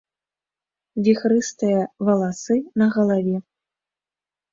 Віхрыстыя валасы на галаве.